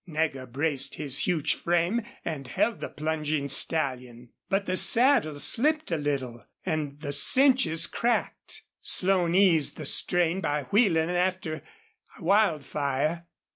Nagger braced his huge frame and held the plunging stallion. But the saddle slipped a little, the cinches cracked. Slone eased the strain by wheeling after Wildfire.